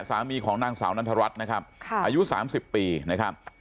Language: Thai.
สามีของนางสาวนันทรัศน์นะครับอายุ๓๐ปีนะครับ